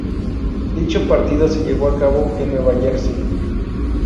Dicho partido se llevó a cabo en Nueva Jersey.